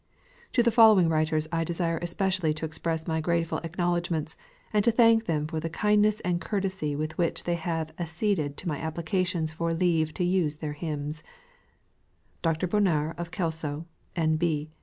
To the following writers I desire especially to express my grateful acknowledgments, and to thank them for the kindness and courtesy with which they have acceded to my applications for leave to use their hymns: — Dr. Bonar, of Kelso, N. B.